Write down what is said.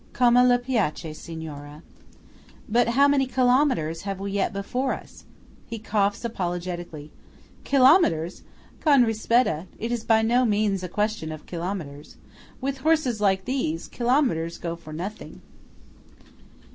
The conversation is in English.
(Come lei piace, Signora.) "But how many kilometres have we yet before us?" He coughs apologetically. Kilometres! Con rispetta, it is by no means a question of kilometres. With horses like these, kilometres go for nothing.